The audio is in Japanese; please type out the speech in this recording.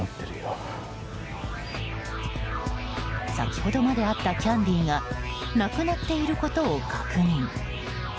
先ほどまであったキャンディーがなくなっていることを確認。